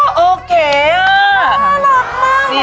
อร่อยมากเลย